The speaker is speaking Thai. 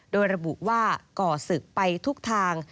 โดยระบุว่าก่อศึกไปทุกทาง